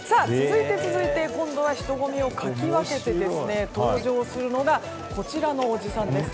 続いて今度は人混みをかき分けて登場するのがこちらのおじさんです。